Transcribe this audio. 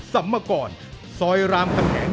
สัมมกรซอยรามคำแหง